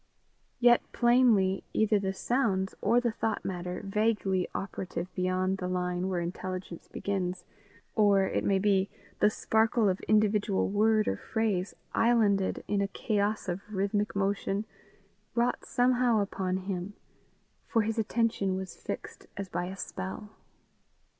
Yet plainly, either the sounds, or the thought matter vaguely operative beyond the line where intelligence begins, or, it may be, the sparkle of individual word or phrase islanded in a chaos of rhythmic motion, wrought somehow upon him, for his attention was fixed as by a spell.